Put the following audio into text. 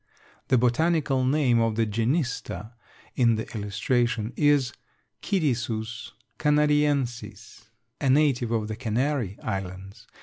The botanical name of the genista in the illustration is Cytisus canariensis, a native of the Canary Islands.